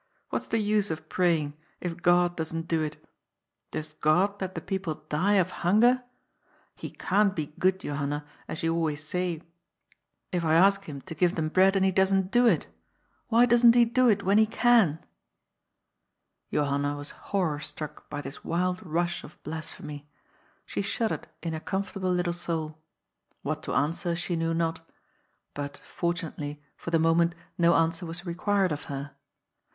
" What's the use of praying, if God doesn't do it ? Does God let the people die of hun ger ? He can't be good, Johanna, as you always say, if I ask him to give them bread and he doesn't do it. Why doesn't he do it when he can? " "A POOL AND HIS MONEY." 269 Johanna was horror etrack by this wild rush of blas phemy. She shuddered in her comfortable little sonl. What to answer she knew not. But, fortunately, for the moment no answer was required of her.